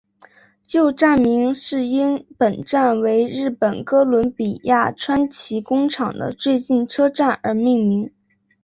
旧站名是因本站为日本哥伦比亚川崎工厂的最近车站而命名。